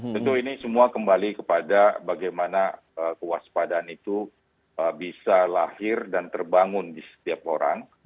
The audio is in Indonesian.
tentu ini semua kembali kepada bagaimana kewaspadaan itu bisa lahir dan terbangun di setiap orang